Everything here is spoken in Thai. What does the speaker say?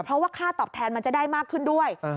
เพราะว่าค่าตอบแทนมันจะได้มากขึ้นด้วย